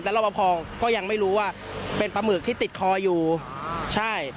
รับประพอก็ยังไม่รู้ว่าเป็นปลาหมึกที่ติดคออยู่ใช่